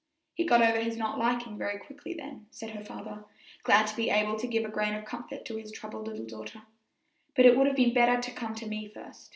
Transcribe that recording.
"He got over his not liking very quickly, then," said her father, glad to be able to give a grain of comfort to his troubled little daughter, "but it would have been better to come to me first.